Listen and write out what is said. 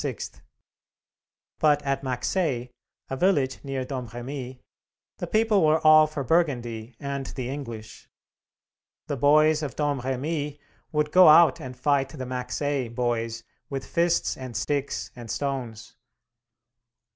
But at Maxey, a village near Domremy, the people were all for Burgundy and the English. The boys of Domremy would go out and fight the Maxey boys with fists and sticks and stones.